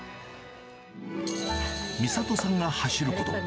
美里さんが走ること。